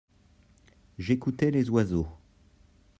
j'écoutais les oiseaux.